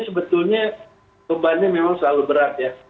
sebetulnya bebannya memang selalu berat ya